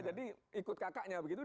jadi ikut kakaknya begitu